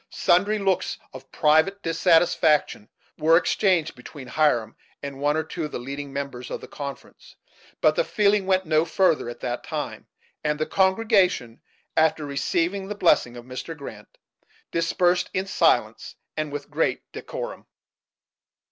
Sundry looks of private dissatisfaction were exchanged between Hiram and one or two of the leading members of the conference, but the feeling went no further at that time; and the congregation, after receiving the blessing of Mr. Grant., dispersed in Silence, and with great decorum.